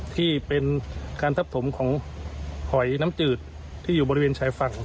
ที่เป็นการทับถมของหอยน้ำจืดที่อยู่บริเวณชายฝั่ง